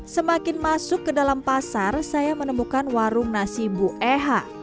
semakin masuk ke dalam pasar saya menemukan warung nasi bu eha